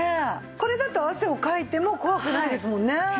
これだと汗をかいても怖くないですもんね。